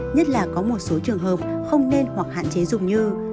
nhất là có một số trường hợp không nên hoặc hạn chế dùng như